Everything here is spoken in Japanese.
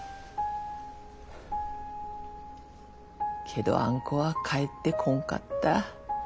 けどあん子は帰ってこんかった。